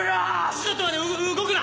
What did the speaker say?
ちょっと待て動くな！